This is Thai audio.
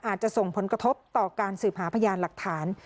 อาจจะส่งผลกระทบต่อการสืบหาพยานหลักฐาน